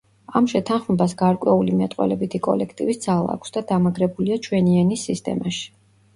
ამ შეთანხმებას გარკვეული მეტყველებითი კოლექტივის ძალა აქვს და დამაგრებულია ჩვენი ენის სისტემაში.